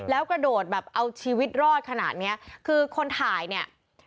แล้วกระโดดแบบเอาชีวิตรอดขนาดเนี้ยคือคนถ่ายเนี่ย